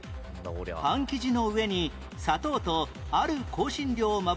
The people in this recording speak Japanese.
パン生地の上に砂糖とある香辛料をまぶした